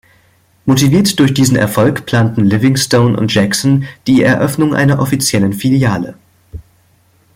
Motiviert durch diesen Erfolg, planten Livingstone und Jackson die Eröffnung einer offiziellen Filiale.